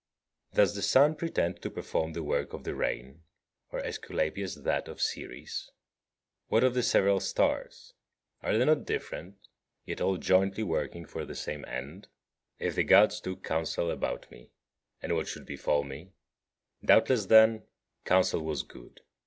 43. Does the sun pretend to perform the work of the rain, or Aesculapius that of Ceres? What of the several stars? Are they not different, yet all jointly working for the same end? 44. If the Gods took counsel about me and what should befall me, doubtless then counsel was good.